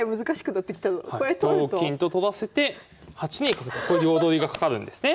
同金と取らせて８二角と両取りがかかるんですね。